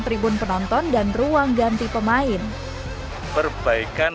tribun penonton dan ruang ganti pemain perbaikan